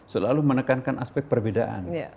selalu menekankan aspek perbedaan